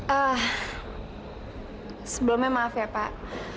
eh sebelumnya maaf ya pak